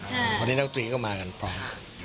ตอนนี้น้องตรี๊ก็มากันพร้อม